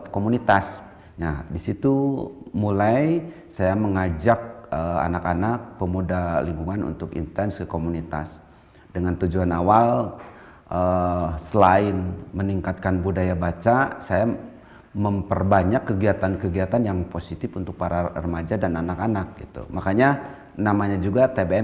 kisah bintang bintang